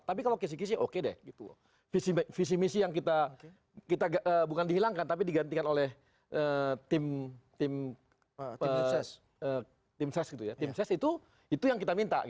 tapi kalau kisi kisi oke deh visi misi yang kita bukan dihilangkan tapi digantikan oleh tim ses itu yang kita minta